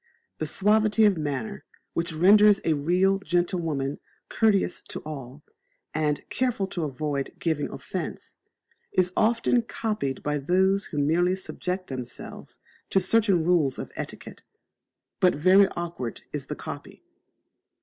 That suavity of manner which renders a real gentlewoman courteous to all, and careful to avoid giving offence, is often copied by those who merely subject themselves to certain rules of etiquette: but very awkward is the copy.